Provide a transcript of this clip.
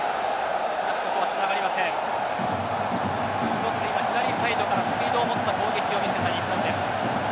一つ今、左サイドからスピードを持った攻撃を見せた日本です。